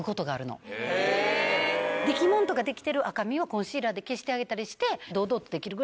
できものとかできてる赤みをコンシーラーで消してあげたりして。